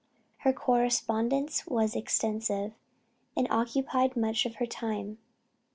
Her correspondence was extensive, and occupied much of her time.